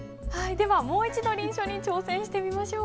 ではもう一度臨書に挑戦してみましょう。